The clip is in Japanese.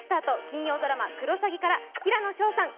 金曜ドラマ「クロサギ」から平野紫耀さん